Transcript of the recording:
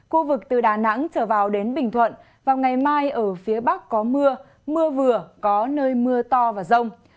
khu vực từ đà nẵng trở vào đến bình thuận vào ngày mai ở phía bắc có mưa mưa vừa có nơi mưa to và rông